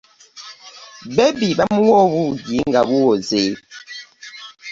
Bebbi bamuwa obuugi nga buwoze.